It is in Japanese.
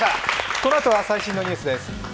このあとは最新のニュースです。